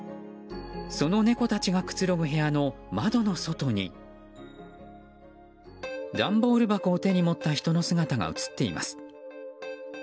その猫たちがくつろぐ部屋の窓の外に段ボール箱を手に持った人の姿が映っています。